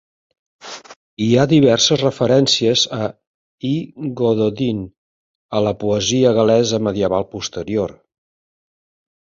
Hi ha diverses referències a "Y Gododdin" a la poesia gal·lesa medieval posterior.